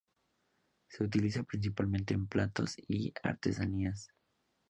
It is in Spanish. Se utiliza principalmente en platos y artesanías.